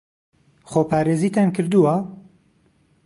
خۆپارێزیتان کردووە؟